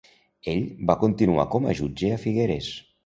Ell va continuar com a jutge a Figueres.